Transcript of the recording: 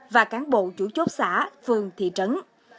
và cán bộ chủ chốt xã phường thị trấn